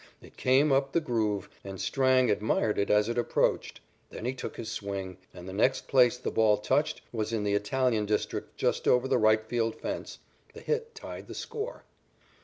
It came up the "groove," and Strang admired it as it approached. Then he took his swing, and the next place the ball touched was in the Italian district just over the right field fence. The hit tied the score.